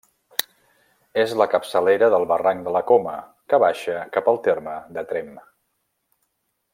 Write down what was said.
És la capçalera del barranc de la Coma, que baixa cap al terme de Tremp.